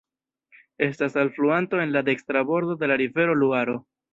Estas alfluanto en la dekstra bordo de la rivero Luaro.